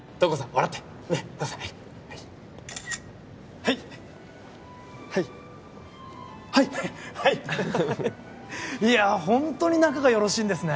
笑ってねっはいはいはいはいはいはいいやホントに仲がよろしいんですね